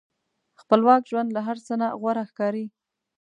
خپلواک ژوند له هر څه نه غوره ښکاري.